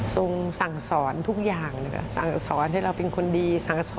ทรงสั่งสอนทุกอย่างนะครับสั่งสอนให้เราเป็นคนดี